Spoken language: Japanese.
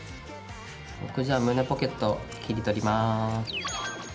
僕じゃあ胸ポケット切り取ります。